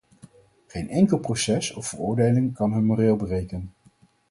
Geen enkel proces of veroordeling kan hun moreel breken.